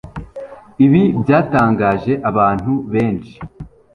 ibi byatangaje abantu benshi